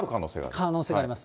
可能性があります。